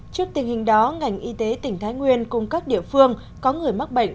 trước tình hình đó ngành y tế tỉnh thái nguyên cùng các địa phương có người mắc bệnh